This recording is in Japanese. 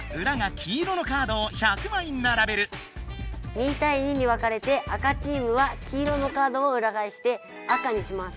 ２たい２に分かれて赤チームは黄色のカードをうら返して赤にします。